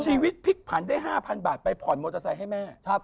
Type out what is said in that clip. ชีวิตพลิกผันได้๕๐๐บาทไปผ่อนมอเตอร์ไซค์ให้แม่